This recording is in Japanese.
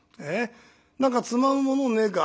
「何かつまむものねえか？」。